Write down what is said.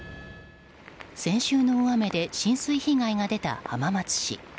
先週の大雨で、浸水被害が出た浜松市。